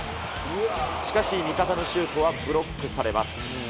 しかし、味方のシュートはブロックされます。